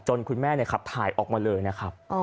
คุณแม่ขับถ่ายออกมาเลยนะครับ